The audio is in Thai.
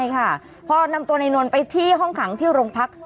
ใช่ค่ะพอนำตัวนายนนท์ไปที่ห้องขังที่โรงพัก